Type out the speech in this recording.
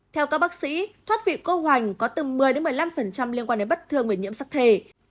theo các bác sĩ thoát vị cô hoành có từ một mươi một mươi năm liên quan đến bất thường về nhiễm sắc thể